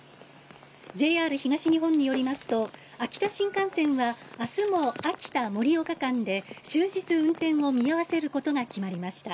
ＪＲ東日本によりますと秋田新幹線は明日も秋田−盛岡間で終日運転を見合わせることが決まりました。